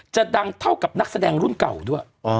จะดังเท่ากับนักแสดงรุ่นเก่าด้วย